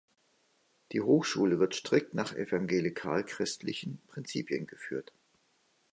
Die Hochschule wird strikt nach evangelikal-christlichen Prinzipien geführt.